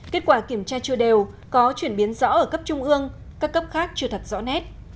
kết quả kiểm tra chưa đều có chuyển biến rõ ở cấp trung ương các cấp khác chưa thật rõ nét